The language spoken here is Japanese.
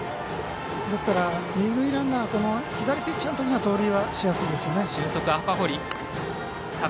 ですから、二塁ランナー左ピッチャーの時には盗塁はしやすいですよね。